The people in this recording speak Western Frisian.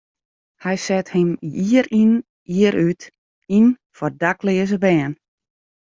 Hy set him jier yn jier út yn foar dakleaze bern.